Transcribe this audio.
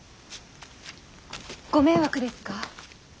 ご迷惑ですか。